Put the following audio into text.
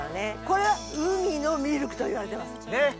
これは海のミルクといわれてます。